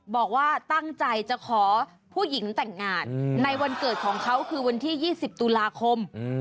บอกว่าตั้งใจจะขอผู้หญิงแต่งงานในวันเกิดของเขาคือวันที่๒๐ตุลาคม